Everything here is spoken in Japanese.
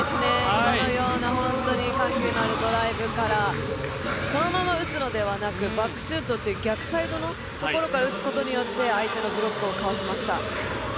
今のような本当に緩急のあるドライブからそのまま打つのではなくバックシュートという逆サイドから打つことによって相手のブロックをかわしました。